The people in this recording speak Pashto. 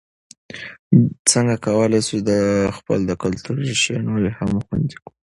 څنګه کولای سو د خپل کلتور ریښې نورې هم خوندي کړو؟